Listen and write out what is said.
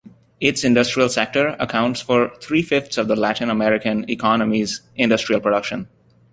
Its industrial sector accounts for three-fifths of the Latin American economy's industrial production.